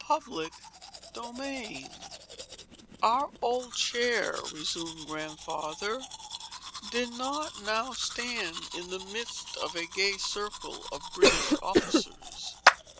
Chapter VII "Our old chair," resumed Grandfather, "did not now stand in the midst of a gay circle of British officers.